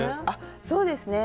そうですね。